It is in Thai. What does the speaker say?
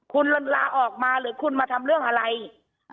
คุณลาออกมาหรือคุณมาทำเรื่องอะไร